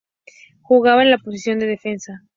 Jugaba en la posición de defensa.